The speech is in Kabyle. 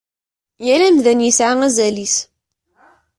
Yal amdan yesɛa azal-is.